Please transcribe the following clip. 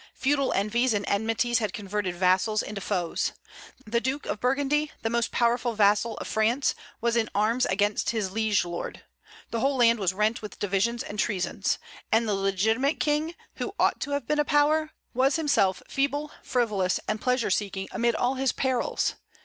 Feudal envies and enmities had converted vassals into foes. The Duke of Burgundy, the most powerful vassal of France, was in arms against his liege lord. The whole land was rent with divisions and treasons. And the legitimate king, who ought to have been a power, was himself feeble, frivolous, and pleasure seeking amid all his perils.